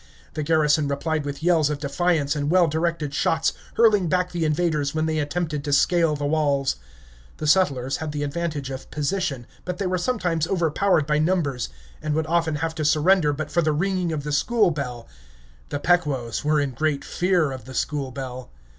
The garrison replied with yells of defiance and well directed shots, hurling back the invaders when they attempted to scale the walls. The Settlers had the advantage of position, but they were sometimes overpowered by numbers, and would often have had to surrender but for the ringing of the school bell. The Pequots were in great fear of the school bell.